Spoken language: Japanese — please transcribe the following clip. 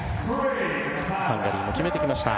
ハンガリーも決めてきました。